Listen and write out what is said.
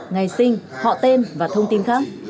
ngày sinh họ tên và thông tin khác